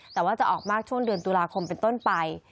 แต่ว่าจะออกมากช่วงเดือนตุลาคมเป็นต้นไป